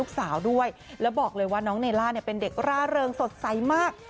สาวด้วยแล้วบอกเลยว่าน้องเนล่าเนี่ยเป็นเด็กร่าเริงสดใสมาก